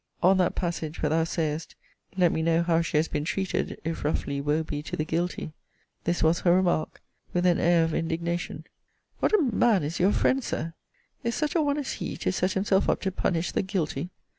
On that passage, where thou sayest, Let me know how she has been treated: if roughly, woe be to the guilty! this was her remark, with an air of indignation: 'What a man is your friend, Sir! Is such a one as he to set himself up to punish the guilty?